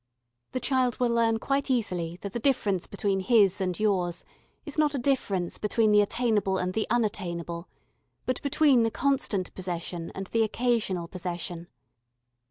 The child will learn quite easily that the difference between his and yours is not a difference between the attainable and the unattainable, but between the constant possession and the occasional possession.